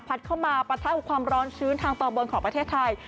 เข้ามาปะทะกับความร้อนชื้นทางตอนบนของประเทศไทย